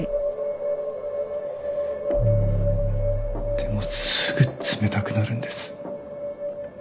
でもすぐ冷たくなるんです。